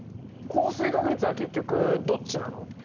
降水確率は結局どっちなの？